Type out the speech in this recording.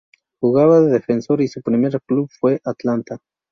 Jugaba de defensor y su primer club fue Atlanta.